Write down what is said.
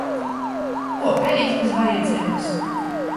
Kuo perīs bez vajadzeibys!